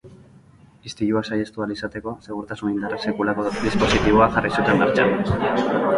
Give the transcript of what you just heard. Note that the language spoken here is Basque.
Istiluak sahiestu ahal izateko segurtasun indarrek sekulako dispositiboa jarri zuten martxan.